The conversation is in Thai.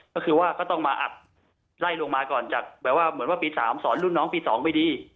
ก็คือว่าก็ต้องมาอัดไล่ลงมาก่อนจากแบบว่าเหมือนว่าปี๓สอนรุ่นน้องปี๒ไม่ดี